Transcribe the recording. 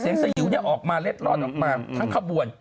เสียงสยิวนี่ออกมาเล็ดรอดออกมาทั้งข้าวบ่วน